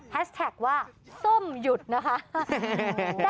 แท็กว่าส้มหยุดนะคะ